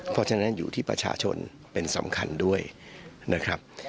เพราะฉะนั้นอยู่ที่ประชาชนเป็นสำคัญด้วยนะครับ